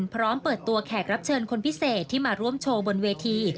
พร้อมเปิดตัวแขกรับเชิญคนพิเศษที่มาร่วมโชว์บนเวที